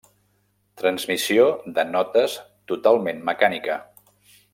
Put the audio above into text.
Transmissió de notes totalment mecànica.